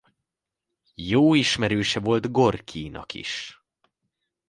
Jó ismerőse volt Gorkijnak is.